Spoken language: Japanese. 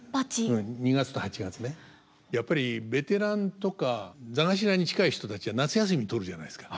やっぱりベテランとか座頭に近い人たちは夏休み取るじゃないですか。